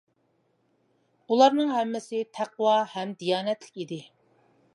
ئۇلارنىڭ ھەممىسى تەقۋا ھەم دىيانەتلىك ئىدى.